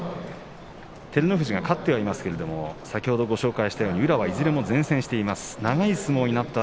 照ノ富士は勝ってはいますが先ほどご紹介したように宇良はいずれも善戦しています。